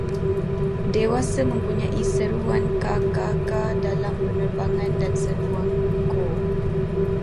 Dewasa mempunyai seruan ka-ka-ka dalam penerbangan dan seruan ko